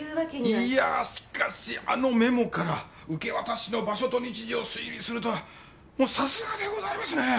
いやしかしあのメモから受け渡しの場所と日時を推理するとはもうさすがでございますねえ！